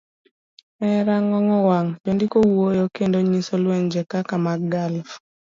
E rang'ong wang', jondiko wuoyo kendo nyiso lwenje kaka mag Gulf,